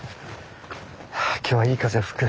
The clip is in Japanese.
はあ今日はいい風吹く。